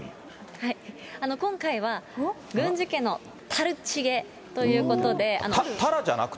今回は、郡司家のタルチゲということで。